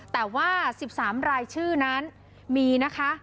แต่ว่า๑๓รายชื่อนั้นมีนะคะ